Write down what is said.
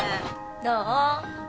どう？